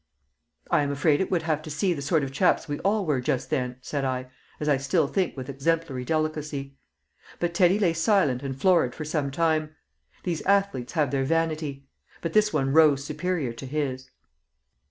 "I am afraid it would have to see the sort of chaps we all were just then," said I, as I still think with exemplary delicacy; but Teddy lay silent and florid for some time. These athletes have their vanity. But this one rose superior to his.